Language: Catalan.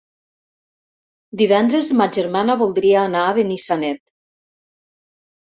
Divendres ma germana voldria anar a Benissanet.